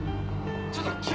ちょっと君！